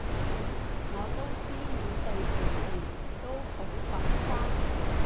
我都知你哋平時都好浮誇